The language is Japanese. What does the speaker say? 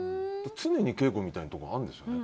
常に稽古みたいなところがあるんですよね。